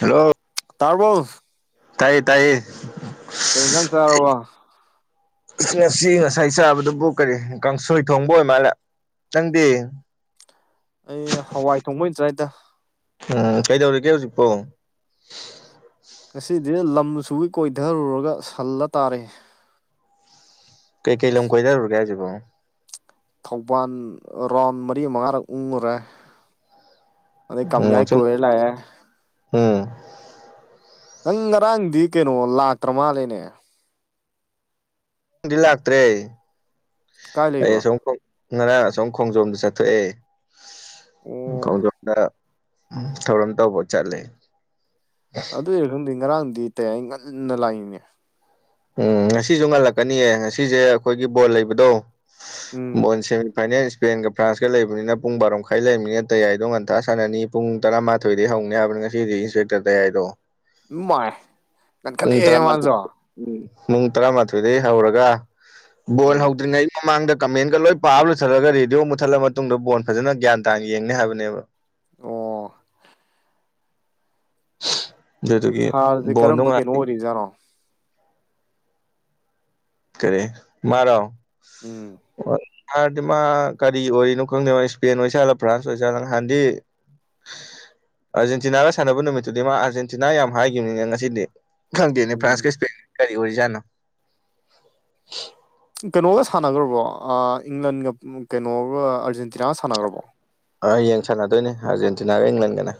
hello ꯇꯥꯔꯕꯣ ꯇꯥꯏꯌꯦ ꯇꯥꯏꯌꯦ ꯀꯩꯏꯟꯖꯥꯡ ꯆꯥꯔꯕ ꯉꯁꯤ ꯉꯁꯥꯏ ꯆꯥꯕꯗꯨꯕꯨ ꯀꯔꯤ ꯀꯥꯡꯁꯣꯏ ꯊꯣꯡꯕ ꯑꯣꯏ ꯃꯥꯜꯂꯦ ꯅꯪꯗꯤ ꯑꯩ ꯍꯋꯥꯏ ꯊꯣꯡꯕ ꯑꯣꯏꯅ ꯆꯥꯏꯗ ꯎꯝ ꯀꯩꯗꯧꯔꯤꯒꯦ ꯍꯧꯖꯤꯛꯄꯣ ꯉꯁꯤꯗꯤ ꯂꯝꯁꯨꯨꯕꯤ ꯀꯣꯏꯊꯔꯨꯔꯒ ꯁꯜꯂ ꯇꯥꯔꯦ ꯀꯩꯀꯩ ꯂꯝ ꯀꯣꯏꯗꯔꯨꯔꯒꯦ ꯍꯥꯏꯁꯤꯕꯣ ꯊꯧꯕꯥꯜ ꯔꯥꯎꯟ ꯃꯔꯤ ꯃꯉꯥꯔꯛ ꯎꯡꯉꯨꯔꯦ ꯑꯣ ꯎꯝ ꯀꯃꯌꯥ ꯁꯨꯝ ꯀꯣꯏꯔ ꯂꯥꯛꯑꯦ ꯎꯝ ꯅꯪ ꯉꯔꯥꯡꯗꯤ ꯀꯩꯅꯣ ꯂꯥꯛꯇ꯭ꯔ ꯃꯥꯜꯂꯦꯅꯦ ꯉꯔꯥꯡꯗꯤ ꯂꯥꯛꯇ꯭ꯔꯦ ꯀꯥꯏ ꯑꯩ ꯂꯩꯕ ꯑꯁꯣꯝ ꯉꯔꯥꯡ ꯑꯁꯣꯝ ꯈꯣꯡꯖꯣꯝꯗ ꯆꯠꯊꯣꯛꯑꯦ ꯑꯣ ꯈꯣꯡꯖꯣꯝꯗ ꯎꯝ ꯊꯧꯔꯝ ꯇꯧꯕ ꯆꯠꯂꯦ ꯑꯗꯨꯏꯔ ꯈꯪꯗꯦ ꯉꯔꯥꯡꯗꯤ ꯇꯥꯌꯥꯏ ꯉꯟꯅ ꯂꯥꯛꯏꯅꯦ ꯎꯝ ꯉꯁꯤꯁꯨ ꯉꯜꯂꯛꯀꯅꯤꯌꯦ ꯉꯁꯤꯁꯦ ꯑꯩꯈꯣꯏꯒꯤ ꯕꯣꯜ ꯂꯩꯕꯗꯣ ꯎꯝ ꯕꯣꯟ ꯁꯤꯃꯤ ꯐꯥꯏꯅꯦꯜ ꯏꯁꯄꯦꯟꯒ ꯐ꯭ꯔꯥꯟꯁꯀ ꯂꯩꯕꯅꯤꯅ ꯄꯨꯡ ꯕꯥꯔꯣ ꯃꯈꯥꯏ ꯂꯩꯕꯅꯤꯅ ꯇꯌꯥꯏꯗꯣ ꯉꯟꯇꯥ ꯁꯥꯅꯅꯤ ꯄꯨꯡ ꯇꯔꯥ ꯊꯣꯏꯗꯤ ꯍꯧꯅꯤ ꯍꯥꯏꯕꯅꯤ ꯉꯁꯤꯗꯤ ꯏꯟꯁꯄꯦꯛꯇꯔ ꯇꯌꯥꯏꯗꯣ ꯃꯥꯏ ꯅꯪ ꯄꯨꯡ ꯈꯜꯂꯛꯑꯦ ꯇꯔꯥꯃꯥ ꯃꯥꯁꯨ ꯎꯝ ꯄꯨꯡ ꯇꯔꯥꯃꯥꯊꯣꯏꯗꯩ ꯍꯧꯔꯒ ꯕꯣꯜ ꯎꯝ ꯍꯧꯗ꯭ꯔꯤꯉꯩꯒꯤ ꯃꯃꯥꯡꯗ ꯀꯃꯦꯟꯒ ꯂꯣꯏ ꯄꯥꯕ ꯂꯣꯏꯊꯠꯂꯒ ꯔꯦꯗꯤꯑꯣ ꯃꯨꯠꯊꯠꯂ ꯃꯇꯨꯡꯗ ꯕꯣꯟ ꯐꯖꯅ ꯒ꯭ꯌꯥꯟ ꯇꯥꯅ ꯌꯦꯡꯅꯤ ꯍꯥꯏꯕꯅꯦꯕ ꯑꯣ ꯗꯨꯀꯤ ꯕꯣꯟ ꯅꯨꯡꯉ ꯅꯣꯔꯤꯖꯥꯔꯣ ꯀꯔꯦ ꯃꯥꯔ ꯎꯝ ꯍꯥꯏꯔꯗꯤ ꯃꯥ ꯀꯔꯤ ꯑꯣꯏꯔꯤꯅꯣ ꯈꯪꯗꯦꯕꯣ ꯏꯁꯄꯦꯟ ꯑꯣꯏꯖꯥꯠꯂꯣ ꯐ꯭ꯔꯥꯟꯁ ꯑꯣꯏꯖꯥꯠꯂꯣ ꯅꯍꯥꯟꯗꯤ ꯑꯥꯔꯖꯦꯟꯇꯤꯅꯥꯒ ꯁꯥꯟꯅꯕ ꯅꯨꯃꯤꯠꯇꯨꯗꯤ ꯃꯥ ꯑꯥꯔꯖꯦꯟꯇꯤꯅꯥ ꯌꯥꯝ ꯍꯥꯏꯈꯤꯕꯅꯤꯅꯦ ꯉꯁꯤꯗꯤ ꯈꯪꯗꯦꯅꯦ ꯐ꯭ꯔꯥꯟꯁ ꯎꯝ ꯀ ꯁꯄꯦꯜ ꯀꯔꯤ ꯑꯣꯏꯔꯤꯖꯥꯅꯣ ꯀꯩꯅꯣꯒ ꯁꯥꯟꯅꯈ꯭ꯔꯕꯣ ꯏꯪꯂꯟꯒ ꯀꯩꯅꯣꯒ ꯑꯥꯔꯖꯦꯟꯇꯤꯅꯥꯒ ꯁꯥꯟꯅꯈ꯭ꯔꯕꯣ ꯍꯌꯦꯡ ꯁꯥꯟꯅꯗꯣꯏꯅꯦ ꯑꯥꯔꯖꯦꯟꯇꯤꯅꯥꯒ ꯏꯪꯂꯦꯟꯒꯅ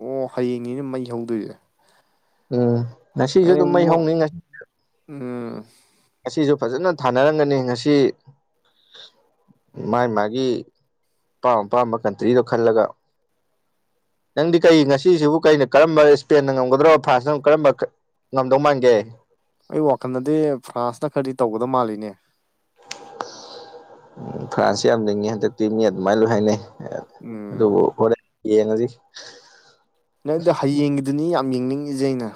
ꯑꯣ ꯍꯌꯦꯡꯅꯤꯅ ꯃꯩ ꯍꯧꯗꯣꯏꯁꯦ ꯎꯝ ꯉꯁꯤꯁꯨ ꯍꯌꯦꯡ ꯑꯗꯨꯝ ꯃꯩ ꯃꯛ ꯍꯧꯅꯤ ꯉꯁꯤ ꯎꯝ ꯉꯁꯤꯁꯨ ꯐꯖꯅ ꯊꯥꯅꯔꯝꯒꯅꯤ ꯉꯁꯤ ꯃꯥꯒꯤ ꯃꯥꯒꯤ ꯑꯄꯥꯝ ꯑꯄꯥꯝꯕ ꯀꯟꯇ꯭ꯔꯤꯗꯣ ꯈꯜꯂꯒ ꯅꯪꯗꯤ ꯀꯔꯤ ꯉꯁꯤꯁꯤꯕꯨ ꯀꯩꯅ ꯀꯔꯝꯕ ꯏꯁꯄꯦꯟꯗ ꯉꯝꯒꯗ꯭ꯔꯣ ꯐ꯭ꯔꯥꯟꯁꯅ ꯀꯔꯝꯕ ꯉꯝꯗꯧ ꯃꯥꯟꯒꯦ ꯑꯩ ꯋꯥꯈꯜꯗꯗꯤ ꯐ꯭ꯔꯥꯟꯁꯅ ꯈꯔꯗꯤ ꯇꯧꯒꯗ ꯃꯥꯜꯂꯤꯅꯦ ꯎ ꯐ꯭ꯔꯥꯟꯁꯁꯦ ꯌꯥꯝꯅꯤꯡꯤꯡꯉꯤ ꯍꯟꯗꯛꯇꯤ ꯃꯤ ꯑꯗꯨꯃꯥꯏꯅ ꯂꯣꯏ ꯍꯥꯏꯅꯩ ꯎꯝ ꯑꯗꯨꯕꯨ ꯍꯣꯔꯦꯟ ꯌꯦꯡꯉꯁꯤ ꯅꯪꯗ ꯍꯌꯦꯡꯒꯤꯗꯨꯅꯤ ꯌꯥꯝ ꯌꯦꯡꯅꯤꯡꯉꯖꯦ ꯑꯩꯅ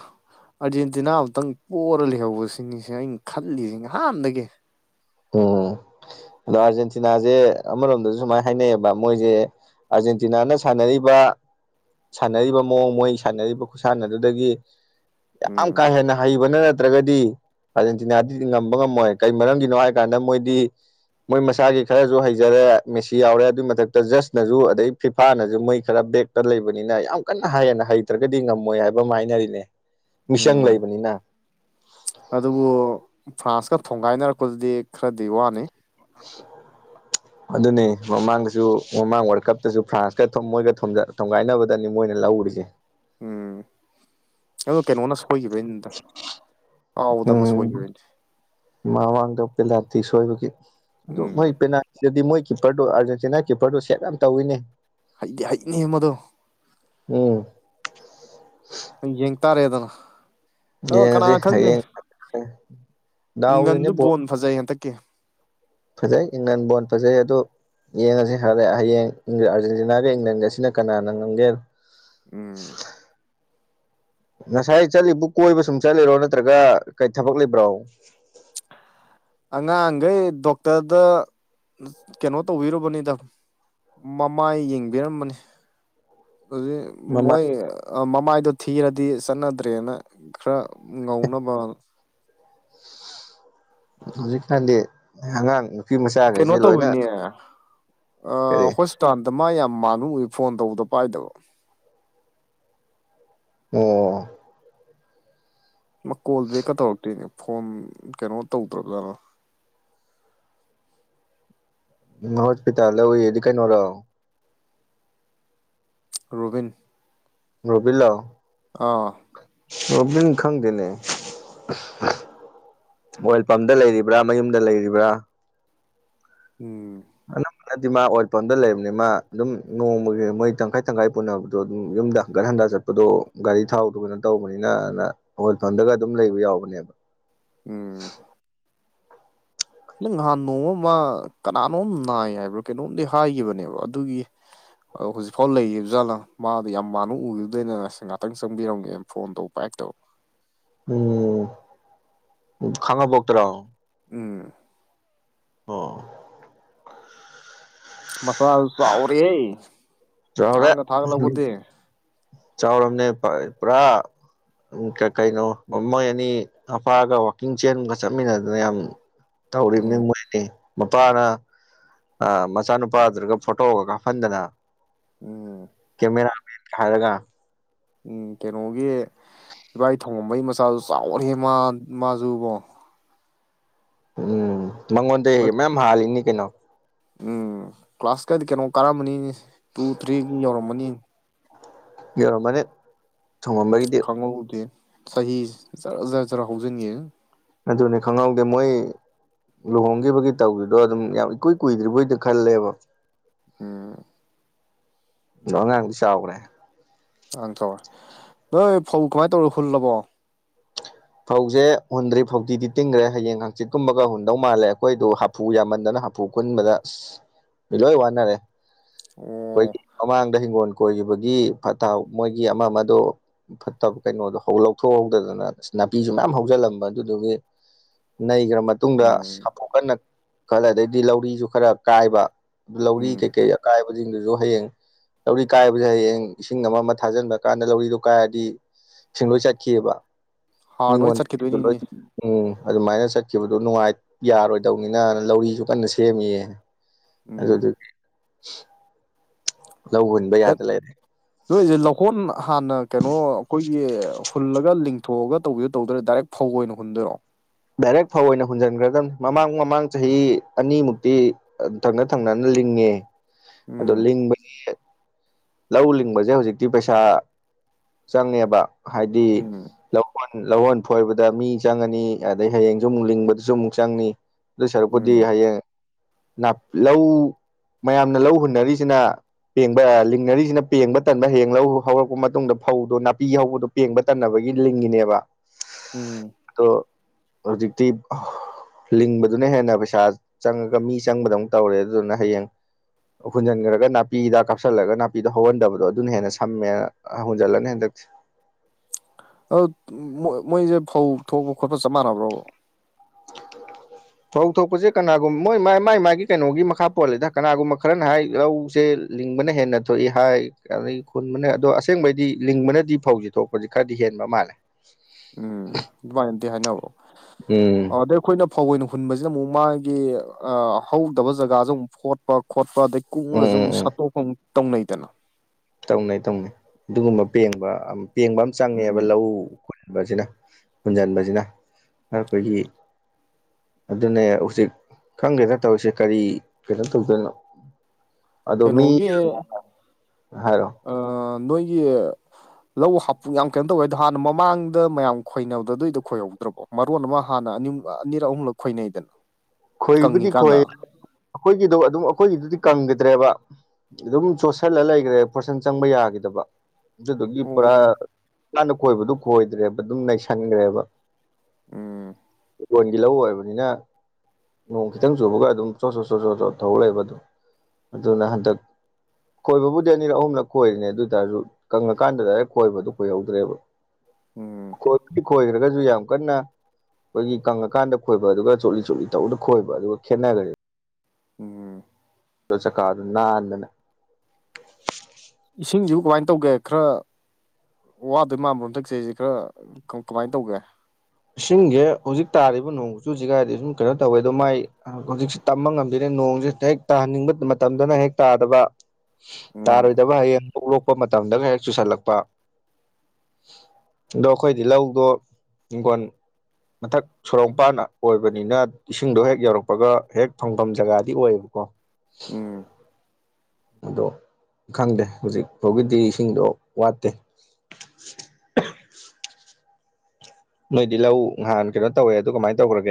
ꯑꯥꯔꯖꯦꯟꯇꯤꯅꯥ ꯑꯃꯨꯛꯇꯪ ꯄꯔ ꯂꯩꯍꯧꯕꯁꯤꯡꯅꯤꯁꯤꯦ ꯑꯩꯅ ꯈꯜꯂꯤꯁꯤꯦ ꯉꯍꯥꯟꯗꯒꯤ ꯎꯝ [unintelligible] ꯑꯗꯣ ꯑꯥꯔꯖꯦꯟꯇꯤꯅꯥꯁꯦ ꯑꯃꯔꯣꯝꯗꯁꯨ ꯁꯨꯃꯥꯏꯅ ꯍꯥꯏꯅꯩꯌꯦꯕ ꯃꯣꯏꯁꯦ ꯑꯥꯔꯖꯦꯟꯇꯤꯅꯥꯅ ꯁꯥꯟꯅꯔꯤꯕ ꯁꯥꯟꯅꯔꯤꯕ ꯃꯑꯣꯡ ꯃꯣꯏ ꯁꯥꯟꯅꯔꯤꯕ ꯈꯨꯠꯁꯥꯟꯅ ꯑꯗꯨꯗꯒꯤ ꯌꯥꯝ ꯎꯝ ꯀꯥ ꯍꯦꯟꯅ ꯍꯩꯕꯅ ꯅꯠꯇ꯭ꯔꯒꯗꯤ ꯑꯥꯔꯖꯦꯟꯇꯤꯅꯥꯗꯗꯤ ꯉꯝꯕ ꯉꯝꯃꯣꯏ ꯀꯩ ꯃꯔꯝꯒꯤꯅꯣ ꯥꯟꯗꯅ ꯃꯣꯏꯗꯤ ꯃꯣꯏ ꯃꯁꯥꯒꯤ ꯈꯔꯁꯨ ꯍꯩꯖꯔꯦ ꯃꯦꯁꯤ ꯌꯥꯎꯔꯦ ꯑꯗꯨꯏ ꯃꯊꯛꯇ ꯖꯁꯅꯁꯨ ꯑꯗꯩ ꯐꯤꯐꯥꯅꯁꯨ ꯃꯣꯏ ꯈꯔ ꯕꯦꯛ ꯇ ꯂꯩꯕꯅꯤꯅ ꯌꯥꯝ ꯀꯟꯅ ꯍꯌꯦꯅ ꯍꯩꯇ꯭ꯔꯒꯗꯤ ꯉꯝꯃꯣꯏ ꯍꯥꯏꯕ ꯑꯃ ꯍꯥꯏꯅꯔꯤꯅꯦ ꯃꯤꯁꯪ ꯎꯝ ꯂꯩꯕꯅꯤꯅ ꯑꯗꯨꯕꯨ ꯐ꯭ꯔꯥꯟꯁꯀ ꯊꯣꯝꯒꯥꯏꯅꯔꯛꯄꯗꯨꯗꯤ ꯈꯔꯗꯤ ꯋꯥꯅꯤ [unintelligible] ꯑꯗꯨꯅꯤ ꯃꯃꯥꯡꯗꯁꯨ ꯃꯃꯥꯡ ꯋꯥꯔꯜ ꯀꯞꯇꯁꯨ ꯐ꯭ꯔꯥꯟꯁꯀ ꯃꯣꯏꯒ ꯊꯣꯝꯖ ꯊꯣꯝꯒꯥꯏꯅꯕꯗꯅꯤ ꯃꯣꯏꯅ ꯂꯧꯔꯤꯁꯦ ꯎꯝ ꯑꯣ ꯀꯩꯅꯣꯅ ꯁꯣꯏꯈꯤꯕꯒꯤꯅꯤꯗ ꯀꯥꯎꯕꯗ ꯑꯃ ꯎꯝ ꯁꯣꯏꯈꯤꯕꯒꯤꯅꯦ ꯃꯃꯥꯡꯗ ꯄꯦꯂꯥꯇꯤ ꯁꯣꯏꯕꯒꯤ ꯑꯗꯨ ꯃꯣꯏ ꯎꯝ ꯄꯦ ꯁꯤꯗꯤ ꯃꯣꯏ ꯀꯤꯞꯄꯔꯗꯣ ꯑꯥꯔꯦꯟꯇꯤꯅꯥ ꯀꯤꯄꯔꯗꯣ ꯁꯦꯠ ꯌꯥꯝ ꯇꯧꯋꯤꯅꯦ ꯍꯩꯗꯤ ꯍꯩꯅꯦ ꯃꯗꯣ ꯎꯝ ꯌꯦꯡ ꯇꯥꯔꯦꯗꯅ ꯑ ꯀꯅꯥ ꯌꯦꯡꯉꯁꯤ ꯈꯪꯅꯤ ꯍꯌꯦꯡ ꯗꯥꯎꯒꯤꯅꯦ ꯏꯪꯂꯟꯁꯨ ꯕꯣꯜ ꯕꯣꯟ ꯐꯖꯩ ꯍꯟꯗꯛꯀꯤ ꯐꯖꯩ ꯏꯪꯂꯦꯟ ꯕꯣꯣꯟ ꯐꯖꯩ ꯑꯗꯣ ꯌꯦꯡꯉꯁꯤ ꯍꯔ ꯍꯌꯦꯡ ꯑꯥꯔꯖꯦꯟꯇꯤꯅꯥꯒ ꯏꯪꯂꯦꯟꯒ ꯑꯁꯤꯅ ꯀꯅꯥꯅ ꯉꯝꯒꯦ ꯎꯝ ꯉꯁꯥꯏ ꯆꯠꯂꯤꯕ ꯀꯣꯏꯕ ꯁꯨꯝ ꯆꯠꯂꯤꯔꯣ ꯅꯠꯇ꯭ꯔꯒ ꯀꯩ ꯊꯕꯛ ꯂꯩꯕ꯭ꯔꯣ ꯑꯉꯥꯡꯈꯩ ꯗꯣꯛꯇꯔꯗ ꯀꯩꯅꯣ ꯇꯧꯕꯤꯔꯨꯕꯅꯤꯗ ꯃꯃꯥꯏ ꯌꯦꯡꯕꯤꯔꯝꯕꯅꯤ ꯑꯗꯨ ꯃꯃꯥ ꯃꯣꯏ ꯃꯃꯥꯏꯗꯣ ꯊꯤꯔꯗꯤ ꯆꯠꯅꯗ꯭ꯔꯦꯅ ꯈꯔ ꯉꯧꯅꯕ ꯍꯧꯖꯤꯛꯀꯥꯟꯗꯤ ꯑꯉꯥꯡ ꯅꯨꯄꯤ ꯃꯆꯥꯈꯩꯁꯦ ꯂꯣꯏꯅ ꯑ ꯀꯔꯤ ꯍꯣꯁꯄꯤꯇꯥꯜꯗ ꯃꯥ ꯌꯥꯝ ꯃꯥꯟꯕ ꯎꯏ ꯐꯣꯟ ꯇꯧꯕꯗꯣ ꯄꯥꯏꯗꯕ ꯑꯣ ꯃꯥ ꯀꯣꯜ ꯕꯦꯛꯀ ꯇꯧꯔꯛꯇꯣꯏꯅꯦ ꯐꯣꯟ ꯀꯩꯅꯣ ꯇꯧꯗ꯭ꯔꯕꯖꯥꯠꯅ ꯎꯝ ꯍꯣꯁꯄꯤꯇꯥꯜꯗ ꯎꯌꯦꯗꯤ ꯀꯩꯅꯣꯔꯣ ꯔꯣꯕꯤꯟ ꯔꯣꯕꯤꯜꯂꯣ ꯑꯥ ꯔꯣꯕꯤꯟ ꯈꯪꯗꯦꯅꯦ ꯑꯣꯏꯜ ꯄꯝꯗ ꯂꯩꯔꯤꯕ꯭ꯔꯥ ꯃꯌꯨꯝꯗ ꯂꯩꯔꯤꯕ꯭ꯔꯥ ꯎꯝ ꯑ ꯃꯥꯗꯤ ꯃꯥ ꯑꯣꯏꯜ ꯄꯝꯗ ꯂꯩꯕꯅꯤ ꯃꯥ ꯑꯗꯨꯝ ꯅꯣꯡꯃꯒꯤ ꯃꯣꯏ ꯇꯪꯈꯥꯏ ꯇꯪꯈꯥꯏ ꯄꯨꯅꯕꯗꯣ ꯑꯗꯨꯝ ꯌꯨꯝꯗ ꯍꯒꯠ ꯍꯟꯗ ꯆꯠꯄ ꯗꯣ ꯒꯥꯔꯤ ꯊꯥꯎꯗ ꯑꯣꯏꯅ ꯇꯧꯕꯅꯤꯅꯅ ꯍꯜꯐꯝꯗꯒ ꯑꯗꯨꯝ ꯂꯩꯕ ꯌꯥꯎꯕꯅꯦꯕ ꯎꯝ ꯅꯪ ꯅꯍꯥꯟ ꯅꯣꯡꯃꯃ ꯀꯅꯥꯅꯣꯝ ꯅꯥꯏ ꯍꯥꯏꯕ꯭ꯔꯣ ꯀꯩꯅꯣꯝꯗꯤ ꯍꯥꯏꯈꯤꯕꯅꯦꯕ ꯑꯗꯨꯒꯤ ꯑꯗꯣ ꯍꯧꯖꯤꯛꯐꯥꯎꯕ ꯂꯩ ꯖꯥꯠꯅ ꯃꯥꯗ ꯌꯥꯝ ꯃꯅ ꯎꯈꯤꯕꯗꯣꯏꯗ ꯑꯁ ꯉꯥꯛꯇꯪ ꯆꯪꯕꯤꯔꯝꯒꯦꯅ ꯐꯣꯟ ꯇꯧꯕ ꯄꯥꯏꯔꯛꯇꯕ ꯎꯝ ꯈꯪꯉꯄꯣꯛꯇꯔꯣ ꯎꯝ ꯑꯣ ꯃꯆꯥ ꯆꯥꯎꯔꯦ ꯆꯥꯎꯔꯦ ꯅꯍꯟꯒ ꯊꯥꯒꯠꯂꯛꯄꯗꯤ ꯆꯥꯎꯔꯝꯅꯦ ꯄꯨꯔꯥ ꯀꯩꯅꯣ ꯃ ꯃꯣꯏ ꯑꯅꯤ ꯑꯄꯥꯒ ꯋꯥꯛꯀꯤꯡ ꯆꯦꯟꯕꯒ ꯆꯠꯃꯤꯟꯅꯗꯅ ꯌꯥꯝ ꯇꯧꯔꯤꯝꯅꯦ ꯎꯝ ꯃꯣꯏ ꯑꯦ ꯃꯄꯥꯅ ꯃꯆꯥꯅꯨꯄꯥꯗꯨꯗꯒ ꯐꯣꯇꯣꯒ ꯀꯥꯞꯍꯟꯗꯅ ꯎꯝ ꯀꯦꯃꯦꯔꯥ ꯃꯦꯟ ꯍꯥꯏꯔꯒ ꯎꯝ ꯀꯩꯅꯣꯒꯤ ꯏꯕꯥꯏ ꯊꯣꯡꯉꯝꯕꯩ ꯃꯆꯥꯁꯨ ꯆꯥꯎꯔꯦ ꯃꯥ ꯃꯥꯁꯨꯕꯣ ꯎꯝ ꯃꯉꯣꯟꯗꯩ ꯃꯌꯥꯝ ꯍꯥꯜꯂꯤꯅꯤ ꯀꯩꯅꯣ ꯎꯝ ꯀ꯭ꯂꯥꯁꯀꯗꯤ ꯀꯩꯅꯣ ꯀꯥꯔꯝꯃꯅꯤ ꯇꯨ ꯊ꯭ꯔꯤꯒꯤ ꯌꯧꯔꯝꯃꯅꯤ ꯀꯔꯣ ꯃꯅꯦ ꯊꯣꯡꯉꯕꯒꯤ ꯗꯦ ꯆꯍꯤꯖꯔ ꯖꯔ ꯖꯔꯥ ꯍꯧꯖꯤꯟꯉꯦ ꯑꯗꯨꯅꯤ ꯈꯪꯍꯧꯗꯦ ꯃꯣꯏ ꯂꯨꯍꯣꯡꯈꯤꯕꯒꯤ ꯇꯧꯗꯨꯗꯣ ꯑꯗꯨꯝ ꯌꯥꯝ ꯏꯀꯨꯏ ꯀꯨꯏꯗ꯭ꯔꯤꯕꯣꯏꯗꯤ ꯈꯜꯂꯦꯕ ꯎꯝ ꯂ ꯉꯥꯡꯗꯤ ꯆꯥꯎꯈ꯭ꯔꯦ ꯑꯪ ꯇꯧꯔꯦ ꯅꯣꯏ ꯐꯧ ꯀꯃꯥꯏꯅ ꯇꯧꯔ ꯍꯨꯜꯂꯕꯣ ꯐꯧꯁꯦ ꯍꯨꯟꯗ꯭ꯔꯤ ꯐꯧꯗꯤꯤꯗꯤ ꯇꯤꯡꯈ꯭ꯔꯦ ꯍꯌꯦꯡ ꯍꯥꯡꯆꯤꯠꯀꯨꯝꯕꯒ ꯍꯨꯟꯗꯧ ꯃꯥꯜꯂꯦ ꯑꯩꯈꯣꯏꯗꯨ ꯍꯥꯐꯨ ꯌꯥꯝꯃꯟꯗꯅ ꯍꯥꯐꯨ ꯀꯨꯟꯕꯗ ꯑ ꯃꯤ ꯂꯣꯏ ꯋꯥꯅꯔꯦ ꯑꯩꯈꯣꯏ ꯑꯣ ꯃꯃꯥꯡꯗ ꯍꯤꯡꯒꯣꯜ ꯀꯣꯏꯈꯤꯕꯒꯤ ꯐꯠꯇꯥꯎ ꯃꯣꯏꯒꯤ ꯑꯃ ꯑꯃꯗꯣ ꯐꯠꯇꯕ ꯀꯩꯅꯣꯗꯣ ꯂꯧꯊꯣꯛꯍꯧꯗꯗꯅ ꯅꯥꯄꯤꯁꯨ ꯃꯌꯥꯝ ꯍꯧꯖꯤꯜꯂꯝꯕ ꯑꯗꯨꯗꯨꯒꯤ ꯅꯩꯈ꯭ꯔ ꯃꯇꯨꯡꯗ ꯎꯝ ꯁꯥꯄꯣ ꯀꯟꯅ ꯈꯜꯂꯦ ꯑꯗꯩꯗꯤ ꯂꯧꯔꯤꯁꯨ ꯈꯔ ꯑꯀꯥꯏꯕ ꯑꯗꯨ ꯂꯧꯔꯤ ꯎꯝ ꯀꯩꯀꯩ ꯑꯀꯥꯏꯕꯁꯤꯡꯗꯨꯁꯨ ꯍꯌꯦꯡ ꯂꯧꯔꯤ ꯀꯥꯏꯕꯁꯦ ꯍꯌꯦꯡ ꯏꯁꯤꯡ ꯑꯃ ꯑꯃ ꯊꯥꯖꯤꯟꯕ ꯀꯥꯟꯗ ꯂꯧꯔꯤꯗꯣ ꯀꯥꯏꯔꯗꯤ ꯁꯦꯡꯡꯂꯣꯏ ꯆꯠꯈꯤꯑꯕ ꯍꯥꯔ ꯂꯣꯏ ꯃꯤꯉꯣꯟꯗ ꯂꯣꯏ ꯆꯠꯈꯤꯗꯣꯏꯅꯤꯅꯦ ꯎꯝ ꯑꯗꯨꯃꯥꯏꯅ ꯆꯠꯈꯤꯕꯗꯨ ꯅꯨꯡꯉꯥꯏ ꯌꯥꯔꯣꯏꯗꯧꯅꯤꯅ ꯂꯧꯔꯤꯁꯨ ꯀꯟꯅ ꯁꯦꯝꯃꯤꯌꯦ ꯑꯦꯁꯨ ꯎꯝ ꯊ ꯂꯧ ꯍꯨꯟꯕ ꯌꯥꯗ ꯂꯩꯔꯦ ꯅꯣꯏꯁꯦ ꯂꯧꯈꯣꯟ ꯍꯥꯟꯅ ꯀꯩꯅꯣ ꯑꯩꯈꯣꯏ ꯑꯩꯒꯤ ꯍꯨꯜꯂꯒ ꯂꯤꯡꯊꯣꯛꯑꯒ ꯇꯧꯕꯤꯗꯣ ꯇꯧꯗꯣꯏꯔꯦ ꯗꯥꯏꯔꯦꯛ ꯐꯧ ꯑꯣꯏꯅ ꯍꯨꯟꯗꯣꯏꯔꯣ ꯗꯥꯏꯔꯦꯛ ꯐꯧ ꯑꯣꯏꯅ ꯍꯨꯟꯖꯤꯟꯈ꯭ꯔꯗꯝꯕꯅꯤ ꯃꯃꯥꯡ ꯃꯃꯥꯡ ꯆꯍꯤ ꯑꯅꯤꯃꯨꯛꯇꯤ ꯊꯪꯅ ꯊꯪꯅꯅ ꯂꯤꯡꯉꯦ ꯑꯗꯣ ꯎꯝ ꯂꯤꯡꯕꯁꯦ ꯂꯧ ꯂꯤꯡꯕꯁꯦ ꯍꯧꯖꯤꯛꯇꯤ ꯄꯩꯁꯥ ꯆꯪꯉꯦꯕ ꯍꯥꯏꯗꯤ ꯎꯝ ꯂꯧꯣꯟ ꯂꯧꯍꯣꯟ ꯐꯣꯏꯕꯗ ꯃꯤ ꯆꯪꯉꯅꯤ ꯑꯗꯩ ꯍꯌꯦꯡꯁꯨ ꯑꯃꯨꯛ ꯂꯤꯡꯕꯗꯁꯨ ꯑꯃꯨꯛ ꯆꯪꯅꯤ ꯂꯣꯏꯁꯔꯨꯛꯄꯗꯤ ꯎꯝ ꯍꯌꯦꯡ ꯂꯧ ꯃꯌꯥꯝꯅ ꯂꯧ ꯍꯨꯟꯅꯔꯤꯁꯤꯅ ꯄꯦꯡꯕ ꯂꯤꯡꯅꯔꯤꯁꯤꯅ ꯄꯦꯡꯕ ꯇꯟꯕ ꯍꯦꯡ ꯍꯧꯔꯛꯄ ꯃꯇꯨꯡꯗ ꯐꯧꯗꯣ ꯅꯥꯄꯤ ꯍꯧꯕꯗꯣ ꯄꯦꯡꯕ ꯇꯟꯅꯕꯒꯤ ꯂꯤꯡꯉꯅꯦꯕ ꯎꯝ ꯑꯗꯣ ꯍꯧꯖꯤꯛꯇꯤ ꯂꯤꯡꯕꯗꯨꯅ ꯍꯦꯟꯅ ꯄꯩꯁꯥ ꯆꯪꯉꯒ ꯃꯤ ꯆꯪꯕꯗ ꯑꯃꯨꯛ ꯇꯧꯔꯦ ꯑꯗꯨꯗꯨꯅ ꯍꯌꯦꯡ ꯍꯨꯟꯖꯟꯈ꯭ꯔꯒ ꯅꯥꯄꯤꯗ ꯀꯥꯞꯁꯤꯜꯂꯒ ꯅꯥꯄꯤꯗꯣ ꯍꯧꯍꯟꯗꯕꯗꯣ ꯑꯗꯨꯅ ꯍꯦꯟꯅ ꯁꯝꯃꯦꯅ ꯍꯨꯟꯖꯜꯂꯒ ꯍꯟꯗꯛ ꯑ ꯃꯣꯏꯁꯦ ꯐꯧ ꯊꯣꯛꯄ ꯈꯣꯠꯄ ꯆꯞ ꯃꯥꯟꯅꯕ꯭ꯔꯣ [inaudible] ꯐꯧ ꯊꯣꯛꯄꯁꯦ ꯀꯅꯥꯒꯨꯝꯕ ꯃꯣꯏ ꯃꯥꯏ ꯃꯥꯒꯤ ꯀꯩꯅꯣꯒꯤ ꯃꯈꯥ ꯄꯣꯜꯜꯂꯤꯦꯗ ꯀꯅꯥꯒꯨꯝꯕ ꯈꯔꯅ ꯍꯥꯏ ꯂꯧ ꯁꯦ ꯂꯤꯡꯕꯅ ꯍꯦꯟꯅ ꯊꯣꯛꯏ ꯍꯥꯏ ꯑꯗꯒꯤ ꯈꯨꯟꯕꯅ ꯑꯗꯣ ꯑꯁꯦꯡꯕꯩꯗꯤ ꯂꯤꯡꯕꯅꯗꯤ ꯐꯧꯁꯦ ꯊꯣꯛꯎ ꯍꯧꯖꯤꯛ ꯈꯔꯗꯤ ꯍꯦꯟꯕ ꯃꯥꯜꯂꯦ ꯎꯝ ꯑꯗꯨꯃꯥꯏꯅꯗꯤꯦ ꯍꯥꯏꯅꯕ ꯎꯝ ꯑꯗꯩ ꯑꯩꯈꯣꯏꯅ ꯐꯧ ꯑꯣꯏꯅ ꯍꯨꯟꯕꯁꯤꯅ ꯑꯃꯨꯛ ꯃꯥꯒꯤ ꯍꯧꯗꯕ ꯖꯒꯥꯁꯦ ꯑꯃꯨꯛ ꯐꯣꯔꯠ ꯀꯄ ꯈꯣꯠꯄ ꯑꯗꯩ ꯎꯝ ꯀꯣꯛꯉꯒꯁꯨ ꯎꯝ ꯑꯃꯨ ꯎꯝ ꯁꯠꯇꯣꯛꯐꯝ ꯇꯧꯅꯩꯗꯅ ꯇꯧꯅꯩ ꯇꯧꯅꯩ ꯑꯗꯨꯒꯨꯝꯕ ꯄꯦꯡꯕ ꯄꯦꯡꯕ ꯑꯃ ꯆꯪꯉꯦꯕ ꯎꯝ ꯂꯧ ꯕꯁꯤꯅ ꯍꯨꯟꯖꯟꯕꯁꯤꯅ ꯑꯩꯈꯣꯏꯒꯤ ꯑꯗꯨꯅꯦ ꯍꯧꯖꯤꯛ ꯈꯪꯒꯦꯗ ꯇꯧꯔꯤꯁꯦ ꯀꯔꯤ ꯀꯩꯅꯣ ꯇꯧꯗꯣꯏꯅꯣ [inaudible] ꯑꯗꯣ ꯃꯤ ꯍꯥꯏꯔꯣ ꯑ ꯅꯣꯏꯒꯤ ꯂꯧ ꯍꯥꯞꯄꯨ ꯌꯥꯝ ꯀꯩꯅꯣ ꯇꯧꯋꯦ ꯑꯗꯣ ꯍꯥꯟꯅ ꯃꯃꯥꯡꯗ ꯃꯌꯥꯝ ꯈꯣꯏꯅꯅꯕꯗꯗꯩꯗꯣ ꯈꯣꯏꯍꯧꯗ꯭ꯔꯕꯣ ꯃꯔꯣꯟ ꯑꯃ ꯍꯥꯟꯅ ꯑ ꯑꯅꯤꯔꯛ ꯑꯍꯨꯝꯂꯛ ꯈꯣꯏꯅꯩꯗꯅ ꯈꯣꯏꯕꯨꯗꯤ ꯈꯣꯏ ꯀꯪꯉꯤꯀꯥꯟꯗ ꯑꯩꯈꯣꯏꯒꯤꯗꯣ ꯑꯗꯨꯝ ꯑꯩꯈꯣꯏꯒꯤꯗꯨꯗꯤ ꯀꯪꯒꯗ꯭ꯔꯦꯕ ꯑꯗꯨꯝ ꯆꯣꯠꯁꯤꯜꯂ ꯂꯩꯈ꯭ꯔꯦ ꯄꯣꯔꯁꯟ ꯆꯪꯕ ꯌꯥꯈꯤꯗꯕ ꯑꯗꯨꯗꯨꯒꯤ ꯄꯨꯔꯥ ꯑꯣ ꯍꯅ ꯀꯣꯏꯕꯗꯨ ꯈꯣꯏꯗ꯭ꯔꯦꯕ ꯑꯗꯨꯝ ꯅꯩꯁꯟꯈ꯭ꯔꯦꯕ ꯎꯝ ꯣꯟꯒꯤ ꯂꯧ ꯑꯣꯏꯕꯅꯤꯅ ꯅꯣꯡ ꯈꯤꯇꯪ ꯆꯨꯕꯒ ꯑꯗꯨꯝ ꯆꯣꯠ ꯆꯣꯠ ꯆꯣꯠ ꯆꯣ ꯆꯣ ꯊꯧ ꯂꯩꯕꯗꯣ ꯑꯗꯨꯅ ꯍꯟꯗꯛ ꯈꯣꯏꯕꯕꯨꯗꯤ ꯑꯅꯤꯔꯛ ꯑꯍꯨꯝꯂꯛ ꯈꯣꯏꯔꯤꯅꯦ ꯑꯗꯨ ꯑꯣꯏ ꯇꯔꯁꯨ ꯀꯪꯉꯀꯥꯟꯗ ꯗꯥꯏꯔꯦꯛ ꯈꯣꯏꯕꯗꯨ ꯀꯣꯏꯍꯧꯗ꯭ꯔꯦꯕ ꯎꯝ ꯀ ꯈꯣꯏꯈ꯭ꯔꯒꯁꯨ ꯌꯥꯝ ꯀꯟꯅ ꯑꯩꯈꯣꯏꯒꯤ ꯀꯪꯉꯀꯥꯟꯗ ꯈꯣꯏꯕ ꯑꯗꯨꯒ ꯆꯣꯠꯂꯤ ꯆꯣꯠꯂꯤ ꯇꯧꯗ ꯈꯣꯏꯕ ꯑꯗꯨꯒ ꯈꯦꯠꯅꯈ꯭ꯔꯁꯦ ꯎꯝ ꯆꯀꯥꯗ ꯅꯥꯟꯗꯅꯦ ꯏꯁꯤꯡꯁꯤꯕꯨ ꯀꯃꯥꯏꯅ ꯇꯧꯒꯦ ꯈꯔ ꯋꯥꯗꯣꯏ ꯃꯥꯟꯕ ꯑꯃꯝ ꯊꯛꯆꯩꯔꯤꯁꯦ ꯈꯔ ꯀꯃꯥꯏꯅ ꯇꯧꯒꯦ ꯏꯁꯤꯡꯁꯦ ꯍꯧꯖꯤꯛ ꯇꯥꯔꯤꯕ ꯅꯣꯡ ꯆꯨꯁꯤꯒꯥꯏꯗꯤ ꯁꯨꯝ ꯀꯩꯅꯣ ꯇꯧꯋꯦ ꯑꯗꯣ ꯃꯥꯏ ꯍꯧꯖꯤꯛꯁ ꯇꯝꯕ ꯉꯝꯕꯤꯔꯦ ꯅꯣꯡꯁꯦ ꯍꯦꯛ ꯇꯥꯍꯟꯅꯤꯡꯕ ꯃꯇꯝꯗꯅ ꯍꯦꯛ ꯇꯥꯗꯕ ꯇꯥꯔ ꯎꯝ ꯑꯣꯏꯗꯕ ꯍ ꯊꯣꯛꯄ ꯃꯇꯝꯗꯒ ꯍꯦꯛ ꯆꯨꯁꯜꯂꯛꯄ ꯑꯗꯣ ꯑꯩꯈꯣꯏꯗꯤ ꯂꯧꯗꯣ ꯍꯤꯡꯒꯣꯟ ꯃꯊꯛ ꯁꯣꯔꯣꯡꯄꯥꯟꯅ ꯑꯣꯏꯕꯅꯤꯅ ꯏꯁꯤꯡꯗꯣ ꯍꯦꯛ ꯌꯧꯔꯛꯄꯒ ꯍꯦꯛ ꯐꯪꯐꯝ ꯖꯒꯥꯗꯤ ꯑꯣꯏꯌꯦꯕꯀꯣ ꯎꯝ ꯑꯗꯣ ꯈꯪꯗꯦ ꯍꯧꯖꯤꯛ ꯐꯥꯎꯒꯤꯗꯤ ꯏꯁꯤꯡꯗꯣ ꯋꯥꯠꯇꯦ ꯅꯣꯏꯗꯤ ꯂꯧ ꯅꯍꯥꯟ ꯀꯩꯅꯣ ꯇꯧꯋꯦ ꯑꯗꯨ ꯀꯃꯥꯏꯅ ꯇꯧꯈ꯭ꯔꯒꯦ